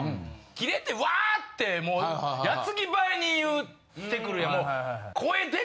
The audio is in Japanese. キレてわってもう矢継ぎ早に言ってくるやん。